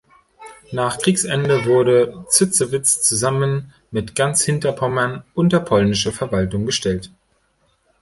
Nach Kriegsende wurde Zitzewitz zusammen mit ganz Hinterpommern unter polnische Verwaltung gestellt.